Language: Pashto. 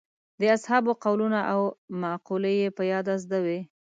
د اصحابو قولونه او مقولې یې په یاد زده وې.